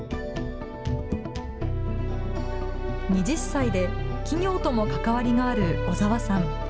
２０歳で企業とも関わりがある小澤さん。